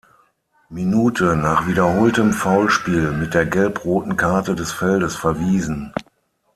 Minute nach wiederholtem Foulspiel mit der Gelb-Roten Karte des Feldes verwiesen.